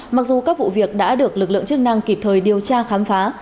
mặc dù các vụ việc đã được lực lượng chức năng kịp thời điều tra khám phá